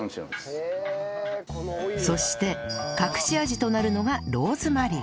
そして隠し味となるのがローズマリー